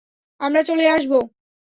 আমরা চলে আসব।